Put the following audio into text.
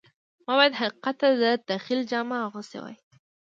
ما باید حقیقت ته د تخیل جامه اغوستې وای